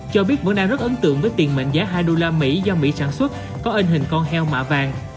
cho biết vẫn đang rất ấn tượng với tiền mệnh giá hai usd do mỹ sản xuất có in hình con heo mạ vàng